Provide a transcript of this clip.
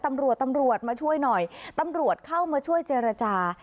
ตำรวจตำรวจมาช่วยหน่อยตำรวจเข้ามาช่วยเจรจา